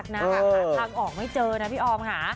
ให้ไหมคะ